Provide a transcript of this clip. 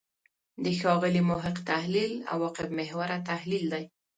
د ښاغلي محق تحلیل «عواقب محوره» تحلیل دی.